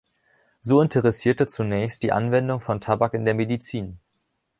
So interessierte zunächst die Anwendung von Tabak in der Medizin.